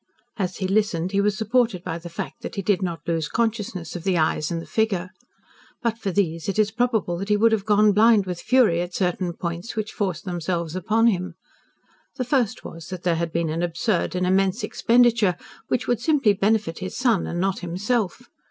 As he listened he was supported by the fact that he did not lose consciousness of the eyes and the figure. But for these it is probable that he would have gone blind with fury at certain points which forced themselves upon him. The first was that there had been an absurd and immense expenditure which would simply benefit his son and not himself.